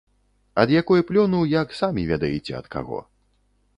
Ад якой плёну, як самі ведаеце ад каго.